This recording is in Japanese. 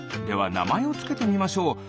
ではなまえをつけてみましょう。